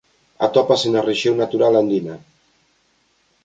Atópase na rexión natural andina.